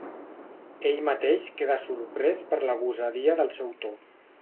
Ell mateix queda sorprès per la gosadia del seu to.